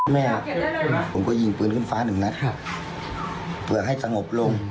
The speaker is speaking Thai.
แม่ผมก็ยิงปืนขึ้นฟ้าหนึ่งนะครับ